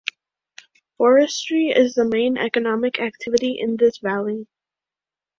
Forestry is the main economic activity in this valley.